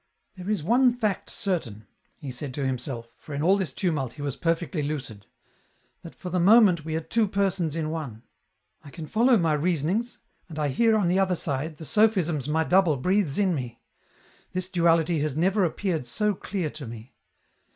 " There is one fact certain," he said to himself, for in all 238 EN ROUTE. this tumult, he was perfectly lucid, that for the moment we are two persons in one. I can follow my reasonings, and I hear on the other side, the sophisms my double breathes in me. This duality has never appeared so clear to me."